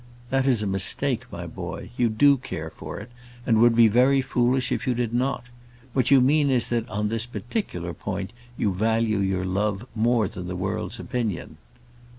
"That is a mistake, my boy; you do care for it, and would be very foolish if you did not. What you mean is, that, on this particular point, you value your love more than the world's opinion."